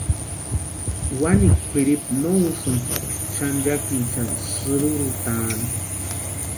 Wani kwʼiripu no úsïnti xanchakiechani sïrurhutani.